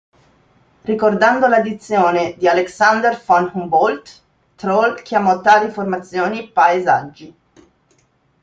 Ricordando la dizione di Alexander von Humboldt, Troll chiamò tali formazioni "paesaggi".